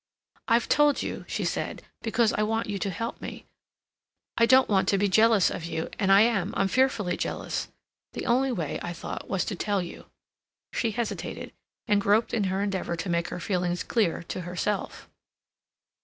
"I've told you," she said, "because I want you to help me. I don't want to be jealous of you. And I am—I'm fearfully jealous. The only way, I thought, was to tell you." She hesitated, and groped in her endeavor to make her feelings clear to herself.